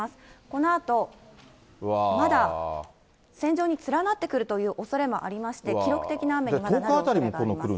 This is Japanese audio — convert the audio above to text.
このあと、まだ線状に連なってくるというおそれもありまして、記録的な雨になるおそれがあります。